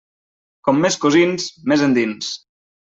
Com més cosins, més endins.